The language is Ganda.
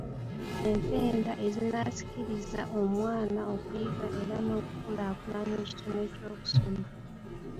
Empenda ezinaasikiriza omwana okuyiga era n’okukulaakulanya ekitone ky’okusoma.